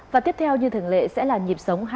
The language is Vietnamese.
và tiếp theo như thường lệ sẽ là nhịp sống